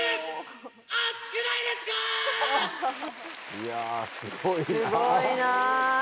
いやすごいな。